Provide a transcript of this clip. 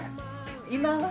今は。